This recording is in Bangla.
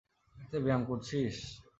এতো ব্যায়াম করছিস?